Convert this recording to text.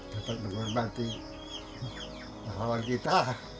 dapat mengorbati pahlawan kita